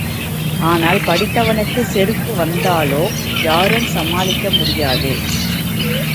ஆனால், படித்தவனுக்கு செருக்கு வந்தாலோ யாரும் சமாளிக்க முடியாது.